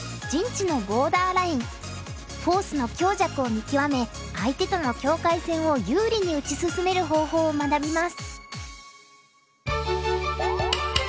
フォースの強弱を見極め相手との境界線を有利に打ち進める方法を学びます。